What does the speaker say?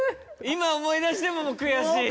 今思い出しても悔しい？